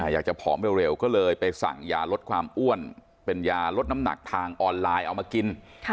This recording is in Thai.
อยากจะผอมเร็วก็เลยไปสั่งยาลดความอ้วนเป็นยาลดน้ำหนักทางออนไลน์เอามากิน